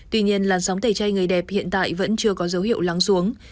tuy nhiên làn sóng tẩy chay người đẹp hiện tại vẫn chưa có dấu hiệu lắng xuống